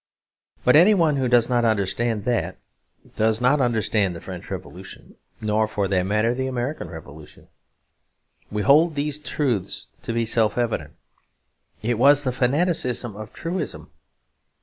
But anyone who does not understand that does not understand the French Revolution nor, for that matter, the American Revolution. "We hold these truths to be self evident": it was the fanaticism of truism.